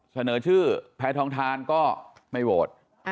เสนอชื่อแพทองทานก็ไม่โหวต